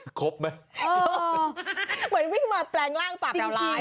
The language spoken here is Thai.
เออเหมือนวิ่งมาแปลงร่างตากล่าวหลาย